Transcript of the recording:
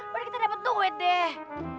padahal kita dapet duit deh